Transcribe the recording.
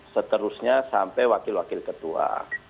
seterusnya sampai wakil wakil ketua